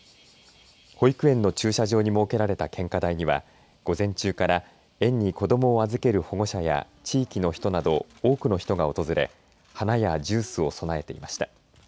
保育園の駐車場に設けられた献花台には午前中から園に子どもを預ける保護者や地域の人など多くの人が訪れ花やジュースを供えていました。